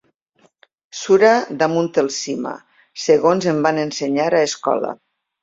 Sura damunt el sima, segons em van ensenyar a escola.